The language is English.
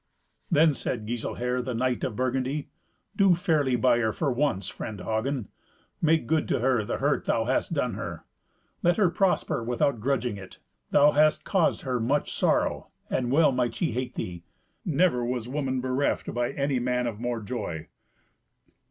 Then said Giselher, the knight of Burgundy, "Do fairly by her for once, friend Hagen. Make good to her the hurt thou hast done her. Let her prosper without grudging it. Thou hast caused her much sorrow, and well might she hate thee. Never was woman bereft by any man of more joy."